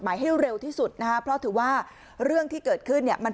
ให้เร็วที่สุดนะฮะเพราะถือว่าเรื่องที่เกิดขึ้นเนี่ยมัน